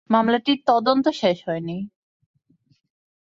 মামলাটির তদন্তও শেষ হয়নি।